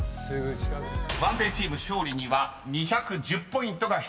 ［ＯＮＥＤＡＹチーム勝利には２１０ポイントが必要です］